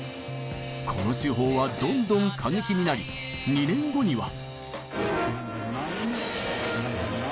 この手法はどんどん過激になり２年後には。